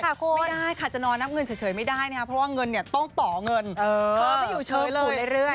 ไม่ได้ค่ะจะนอนนับเงินเฉยไม่ได้นะครับเพราะว่าเงินเนี่ยต้องต่อเงินเธอไม่อยู่เฉยเลย